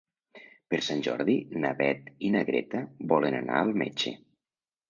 Per Sant Jordi na Beth i na Greta volen anar al metge.